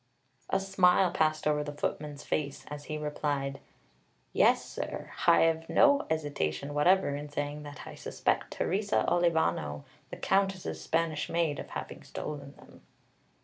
A smile passed over the footman's face, as he replied: "Yes, sir; Hi 'ave no 'esitation whatever in saying that Hi suspect Teresa Olivano, the Countess's Spanish maid, of having stolen them."